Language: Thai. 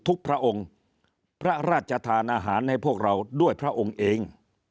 พระองค์พระราชทานอาหารให้พวกเราด้วยพระองค์เอง